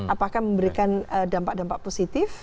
apakah memberikan dampak dampak positif